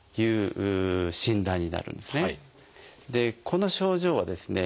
この症状はですね